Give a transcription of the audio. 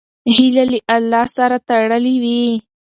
هیله له الله سره تړلې وي.